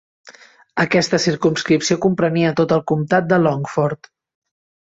Aquesta circumscripció comprenia tot el comtat de Longford.